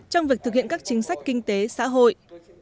trong việc thực hiện các chính sách kinh tế xã hội